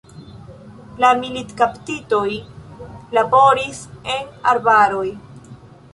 La militkaptitoj laboris en arbaroj.